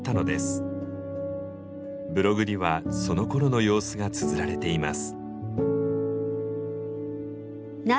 ブログにはそのころの様子がつづられています。